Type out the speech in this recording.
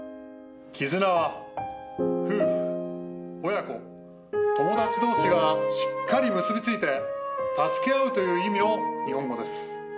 「絆」は夫婦親子友達同士がしっかり結び付いて助け合うという意味の日本語です。